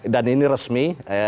dan ini resmi